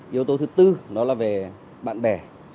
yếu tố thứ bốn đó là về bạn bè